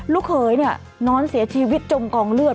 ลูกเขยเนี่ยนอนเสียชีวิตจมกองเลือด